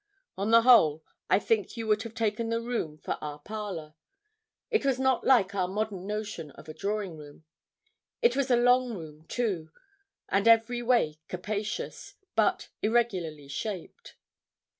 On the whole, I think you would have taken the room for our parlour. It was not like our modern notion of a drawing room. It was a long room too, and every way capacious, but irregularly shaped.